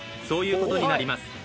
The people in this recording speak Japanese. そういう事になります。